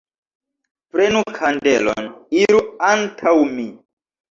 Prenu kandelon, iru antaŭ mi!